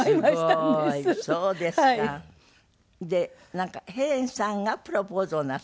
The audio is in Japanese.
なんかヘレンさんがプロポーズをなすったんですって？